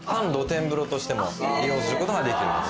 としても利用することができます。